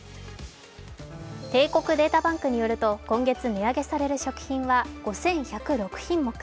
帝国データバンクによる今月値上げされる食品は５１０６品目。